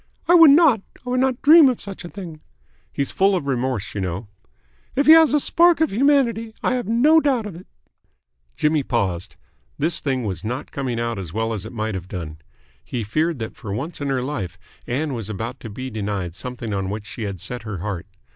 "I would not. I would not dream of such a thing." "He's full of remorse, you know." "If he has a spark of humanity, I have no doubt of it." Jimmy paused. This thing was not coming out as well as it might have done. He feared that for once in her life Ann was about to be denied something on which she had set her heart.